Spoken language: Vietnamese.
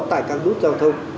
tại các đút giao thông